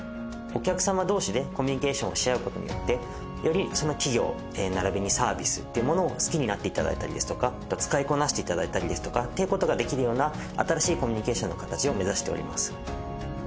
お客様同士でコミュニケーションしあうことによってよりその企業ならびにサービスっていうものを好きになっていただいたりですとか使いこなしていただいたりですとかっていうことができるような新しいコミュニケーションの形を目指しております。